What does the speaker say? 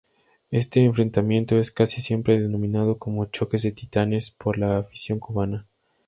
Este enfrentamiento es casi siempre denominado como choques de titanes por la afición cubana.